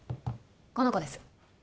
この子です